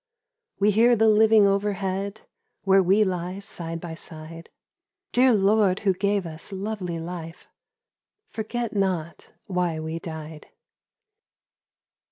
We hear the living overhead Where we lie side by side — Dear Lord, Who gave us lovely life, Forget not why we died.